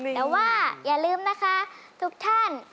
แต่ว่าอย่าลืมนะคะทุกท่าน